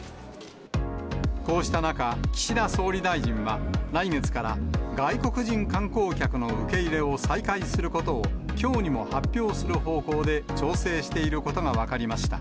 こうした中、岸田総理大臣は来月から、外国人観光客の受け入れを再開することを、きょうにも発表する方向で調整していることが分かりました。